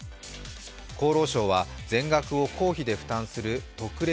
厚労省は全額を公費で負担する特例